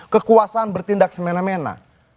kekuasaan bertindak semena mena